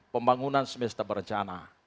pembangunan semesta berencana